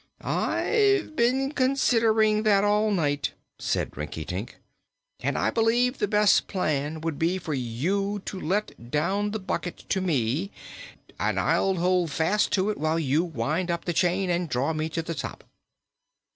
"I've been considering that all night," said Rinkitink, "and I believe the best plan will be for you to let down the bucket to me, and I'll hold fast to it while you wind up the chain and so draw me to the top."